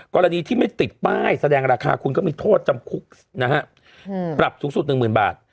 กรณีที่ไม่ติดป้ายแสดงราคาคุณก็มีโทษจำคุกนะฮะปรับสูงสุด๑๐๐๐บาท